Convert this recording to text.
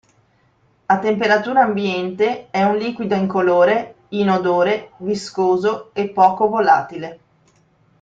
A temperatura ambiente è un liquido incolore, inodore, viscoso e poco volatile.